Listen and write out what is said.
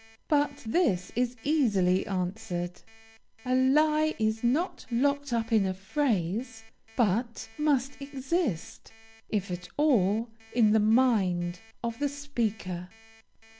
But this is easily answered. A lie is not locked up in a phrase, but must exist, if at all, in the mind of the speaker.